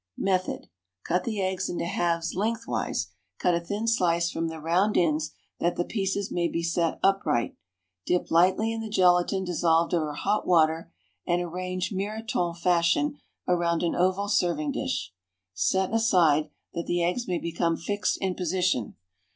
Method. Cut the eggs into halves lengthwise; cut a thin slice from the round ends, that the pieces may be set upright; dip lightly in the gelatine dissolved over hot water, and arrange miroton fashion around an oval serving dish. Set aside, that the eggs may become fixed in position.